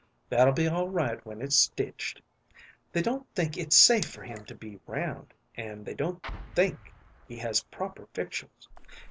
"That 'll be all right when it's stitched. They don't think it's safe for him to be round, and they don't think he has proper victuals.